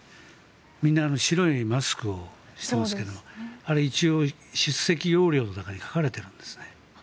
みんな白いマスクをしていますけれどあれ一応、出席要領の中に書かれているんですね。